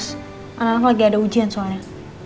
sekarang lagi ada ujian soalnya